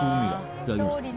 いただきます。